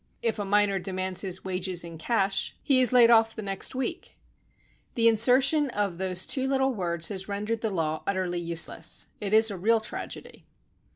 If a miner demands his wages in cash, he is Digitized by Google i6 The Green Bag. laid off the next week. The insertion of those two little words has rendered the law utterly useless. It is a real tragedy.